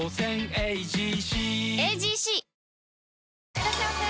いらっしゃいませ！